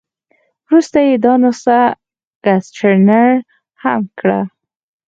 وروسته یې دا نسخه ګسټتنر هم کړه.